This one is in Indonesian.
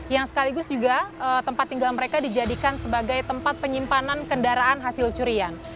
yang sekaligus juga tempat tinggal mereka dijadikan sebagai tempat penyimpanan kendaraan hasil curian